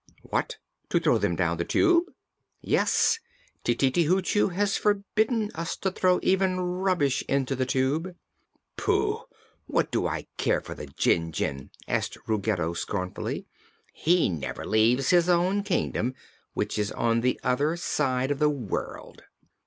"What, to throw them down the Tube?" "Yes. Tititi Hoochoo has forbidden us to throw even rubbish into the Tube." "Pooh! what do I care for the Jinjin?" asked Ruggedo scornfully. "He never leaves his own kingdom, which is on the other side of the world."